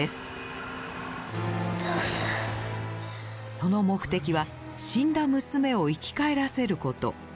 その目的は死んだ娘を生き返らせること。